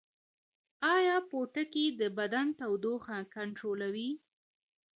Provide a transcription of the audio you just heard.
ایا پوټکی د بدن تودوخه کنټرولوي؟